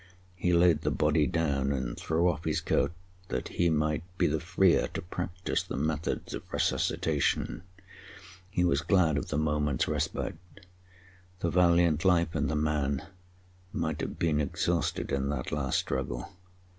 He laid the body down and threw off his coat that he might be the freer to practise the methods of resuscitation. He was glad of the moment's respite. The valiant life in the man might have been exhausted in that last struggle.